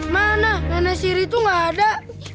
mana nenek siri itu gak ada